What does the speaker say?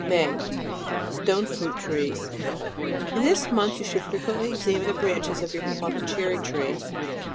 MAY. Stone fruit trees. — In this month you should frequently examine the branches, of your plum and cherry trees.